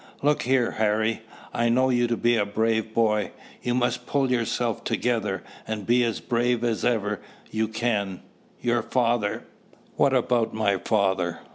"Look here, Harry: I know you to be a brave boy. You must pull yourself together, and be as brave as ever you can. Your father " "What about my father?"